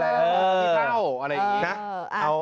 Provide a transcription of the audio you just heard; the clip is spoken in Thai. ขี้เท่าอะไรอย่างนี้นะ